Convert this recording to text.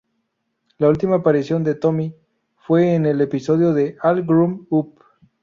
La última aparición de Tommy fue en el episodio de All Grown Up!